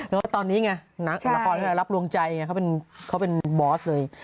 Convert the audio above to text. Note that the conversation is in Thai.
แล้วตอนนี้ละครรับลวงใจเขาเป็นบอสเลย